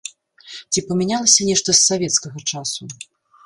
Ці памянялася нешта з савецкага часу?